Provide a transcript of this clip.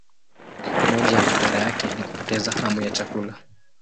Moja ya madhara yake ni kupoteza hamu ya chakula.